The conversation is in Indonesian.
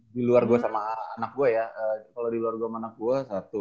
di luar gue sama anak gue ya kalau di luar gue sama anak gue satu dua tiga lima